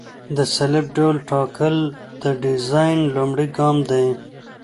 د سلب ډول ټاکل د ډیزاین لومړی ګام دی